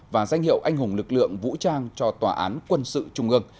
và danh hiệu anh hùng lực lượng vũ trang cho tòa án quân sự trung ương